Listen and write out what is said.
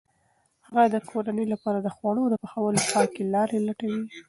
هغه د کورنۍ لپاره د خوړو د پخولو پاکې لارې لټوي.